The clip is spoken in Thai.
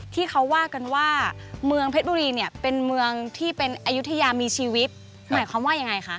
ที่เขาว่ากันว่าเมืองเพชรบุรีเนี่ยเป็นเมืองที่เป็นอายุทยามีชีวิตหมายความว่ายังไงคะ